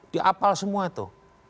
dia apal semua itu